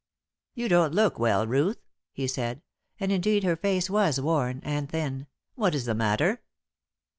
"You don't look well, Ruth," he said. And indeed her face was worn and thin. "What is the matter?"